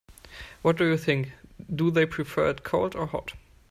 What do you think, do they prefer it cold or hot?